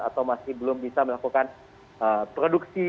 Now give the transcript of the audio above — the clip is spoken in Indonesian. atau masih belum bisa melakukan produksi